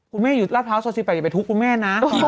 คุณแม่หยุดรับเท้าซอยซีบไปอย่าไปทุบคุณแม่นะ